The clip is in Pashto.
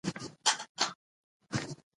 خیر محمد د خپل موټر د راډیو غږ لږ نور هم لوړ کړ.